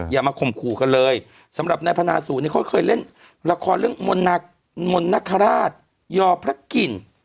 อย่ามาข่มขู่กันเลยสำหรับนายพนาศูนย์เนี่ยเขาเคยเล่นละครเรื่องนคราชยอพระกิน